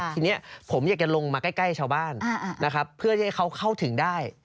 ทีนี้ผมอยากจะลงมาใกล้ชาวบ้านนะครับเพื่อที่ให้เขาเข้าถึงได้